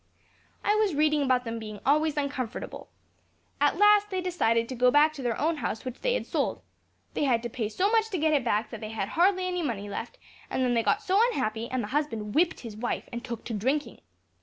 "I was reading about them being always uncomfortable. At last they decided to go back to their own house, which they had sold. They had to pay so much to get it back, that they had hardly any money left; and then they got so unhappy, and the husband whipped his wife, and took to drinking.